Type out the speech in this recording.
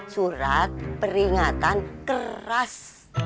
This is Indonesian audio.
surat peringatan keras